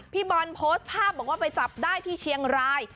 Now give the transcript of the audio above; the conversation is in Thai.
พี่บอลโพสต์ภาพบอกว่าไปจับได้ที่เชียงราย